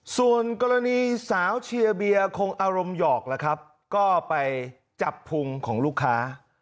ส่วนกรณีสาวเชียร์เบียร์คงอารมณ์หยอกละครับก็ไปจับพุงของลูกค้า